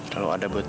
lalu ada butuhku